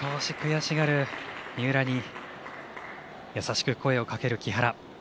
少し悔しがる三浦に優しく声をかける木原。